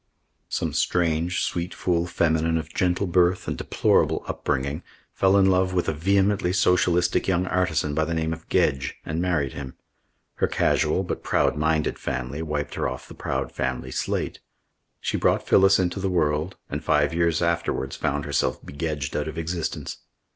Some strange, sweet fool feminine of gentle birth and deplorable upbringing fell in love with a vehemently socialistic young artisan by the name of Gedge and married him. Her casual but proud minded family wiped her off the proud family slate. She brought Phyllis into the world and five years afterwards found herself be Gedged out of existence.